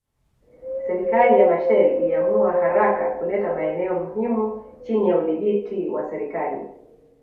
Serikali ya Machel iliamua haraka kuleta maeneo muhimu chini ya udhibiti wa serikali